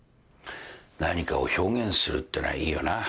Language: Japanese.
何かを表現するってのはいいよな。